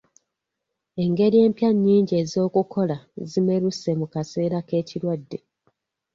Engeri empya nnyingi ez'okukola zimeruse mu kaseera k'ekirwadde.